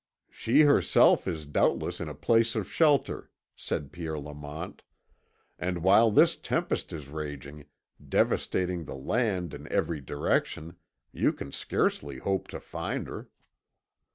"She herself is doubtless in a place of shelter," said Pierre Lamont, "and while this tempest is raging, devastating the land in every direction, you can scarcely hope to find her."